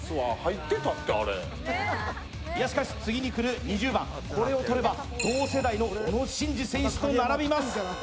しかし次に来る２０番を取れば同世代の小野伸二選手と並びます。